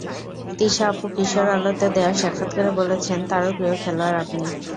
তিশা আপু কিশোর আলোতে দেওয়া সাক্ষাত্কারে বলেছেন, তাঁরও প্রিয় খেলোয়াড় আপনি।